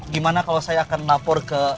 gimana kalau saya akan lapor ke